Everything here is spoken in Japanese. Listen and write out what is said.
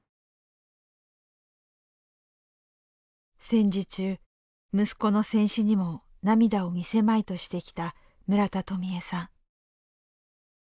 戦時中息子の戦死にも涙を見せまいとしてきた村田とみゑさん。